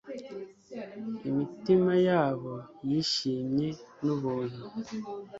Imitima yabo yishimye n'ubuntu